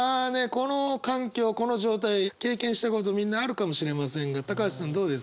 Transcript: この環境この状態経験したことみんなあるかもしれませんが橋さんどうです？